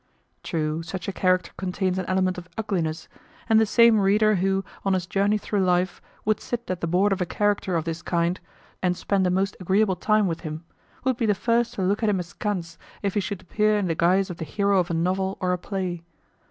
True, such a character contains an element of ugliness, and the same reader who, on his journey through life, would sit at the board of a character of this kind, and spend a most agreeable time with him, would be the first to look at him askance if he should appear in the guise of the hero of a novel or a play.